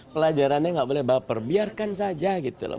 pelajarannya nggak boleh baper biarkan saja gitu loh